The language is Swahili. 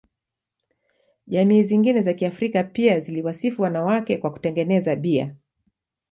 Jamii zingine za Kiafrika pia ziliwasifu wanawake kwa kutengeneza bia.